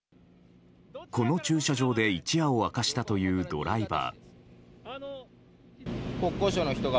この駐車場で一夜を明かしたというドライバー。